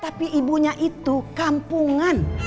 tapi ibunya itu kampungan